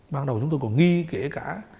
ban đầu chúng tôi còn nghi kể cả